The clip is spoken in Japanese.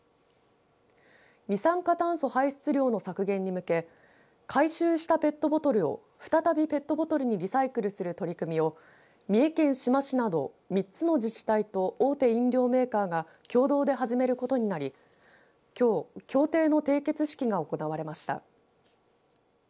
二酸化炭素排出量の削減に向け回収したペットボトルを再びペットボトルにリサイクルする取り組みを三重県志摩市など３つの自治体と大手飲料メーカーが共同で始めることになりきょう、協定の締結式が行われました。